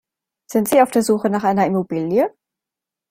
Sind Sie auf der Suche nach einer Immobilie?